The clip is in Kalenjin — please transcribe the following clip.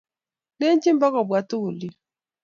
lechi bmkobwa tugul yuu